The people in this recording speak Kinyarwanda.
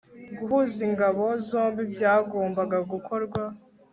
guhuza ingabo zombi byagombaga gukorwa